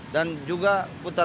dan juga putaran